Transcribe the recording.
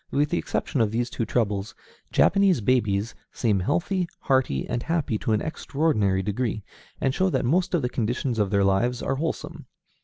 With the exception of these two troubles, Japanese babies seem healthy, hearty, and happy to an extraordinary degree, and show that most of the conditions of their lives are wholesome.